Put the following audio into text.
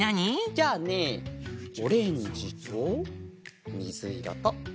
じゃあねオレンジとみずいろとみどり。